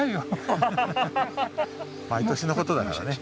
毎年のことだからね。